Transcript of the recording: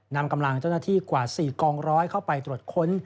นำกำลังเจ้าหน้าที่กว่า๔กองร้อยเข้าไปตรวจค้น